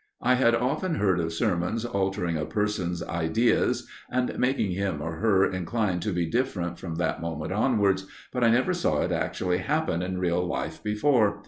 I had often read of sermons altering a person's ideas, and making him or her inclined to be different from that moment onwards, but I never saw it actually happen in real life before.